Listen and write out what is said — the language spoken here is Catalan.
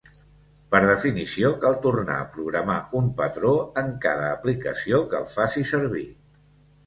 Per definició, cal tornar a programar un patró en cada aplicació que el faci servir.